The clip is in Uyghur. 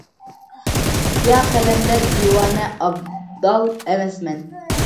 يا قەلەندەر- دىۋانە، ئابدال ئەمەسمەن.